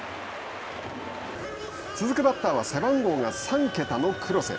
続くバッターは背番号が３桁の黒瀬。